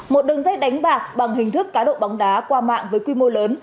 một đường dây đánh bạc bằng hình thức cá độ bóng đá qua mạng với quy mô lớn